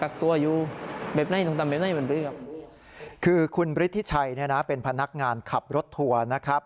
คือคุณบริฐิชัยเป็นพนักงานขับรถทัวร์นะครับ